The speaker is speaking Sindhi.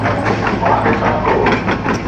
مان ڏسان ٿو